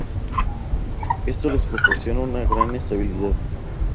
Esto les proporciona una gran estabilidad.